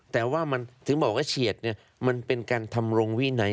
แต่ว่ามันถึงบอกว่าเฉียดมันเป็นการทำรงวินัย